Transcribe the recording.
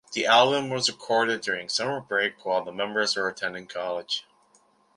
The album was recorded during summer break while the members were attending college.